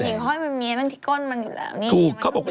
แต่หญิงห้อยมันมีอ่ะที่ก้นมันอยู่เหลืองนี่